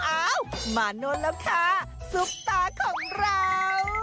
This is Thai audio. โอ้โฮมานึ๊ดแล้วค่ะสุปตาของเรา